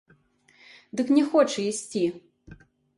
Дык не хоча ісці.